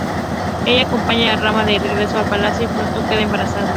Ella acompaña a Rama de regreso al Palacio y pronto queda embarazada.